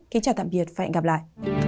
kính chào tạm biệt và hẹn gặp lại